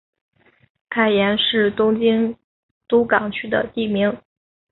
爱宕是东京都港区的地名。